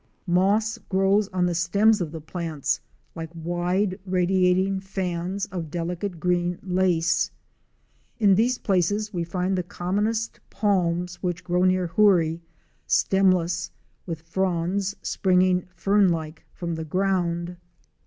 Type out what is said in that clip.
Moss grows on the stems of the plants like wide radiating fans of delicate green lace. In these places we find the commonest palms which grow near Hoorie — stemless, with fronds springing fern like from the ground.